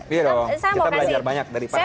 iya dong kita belajar banyak dari pak senia